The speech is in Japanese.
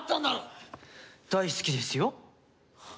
大好きですよ。